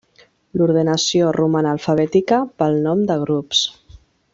L'ordenació roman alfabètica pel nom de grups.